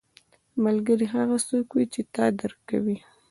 ملګری هغه څوک وي چې تا درک کوي